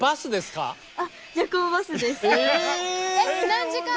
何時間？